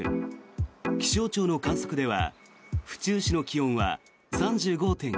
気象庁の観測では府中市の気温は３５．１度。